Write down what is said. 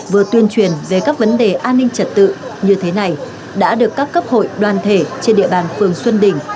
vừa tuyên truyền về các vấn đề an ninh trật tự như thế này đã được các cấp hội đoàn thể trên địa bàn phường xuân đỉnh